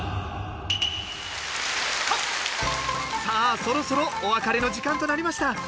さあそろそろお別れの時間となりました。